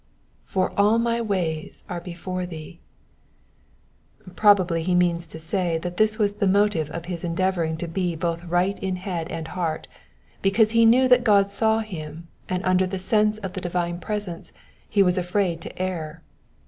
^''For all my ways are before thee.'''' Probably he means to say that this was the motive of his endeavouring to be right both in head and heart, because he knew that God saw him, and under the sense of the divine presence he was afraid to err.